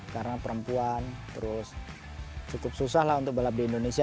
karena perempuan terus cukup susah lah untuk balap di indonesia